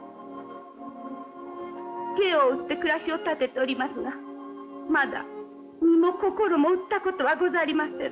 芸を売って暮らしを立てておりますがまだ身も心も売ったことはござりませぬ。